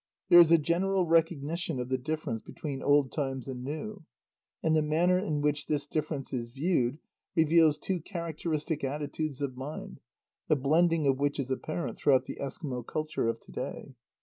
There is a general recognition of the difference between old times and new. And the manner in which this difference is viewed reveals two characteristic attitudes of mind, the blending of which is apparent throughout the Eskimo culture of to day.